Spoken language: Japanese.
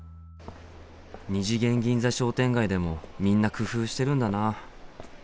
二次元銀座商店街でもみんな工夫してるんだな。